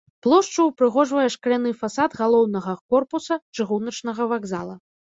Плошчу ўпрыгожвае шкляны фасад галоўнага корпуса чыгуначнага вакзала.